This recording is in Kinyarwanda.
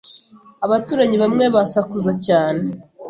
Abaturanyi bamwe basakuza cyane.